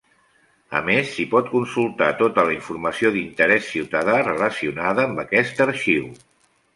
A més, s'hi pot consultar tota la informació d'interès ciutadà relacionada amb aquest Arxiu.